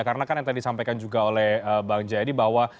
karena kan yang tadi disampaikan juga oleh bang jayadi bahwa